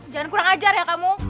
jangan kurang ajar ya kamu